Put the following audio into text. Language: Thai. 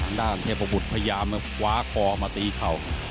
ทางด้านเทพบุรุษพยายามมาฟ้าคอมาตีเข่า